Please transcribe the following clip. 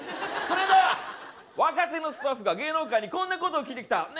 こないだ若手のスタッフが芸能界にこんなことを聞いてきた。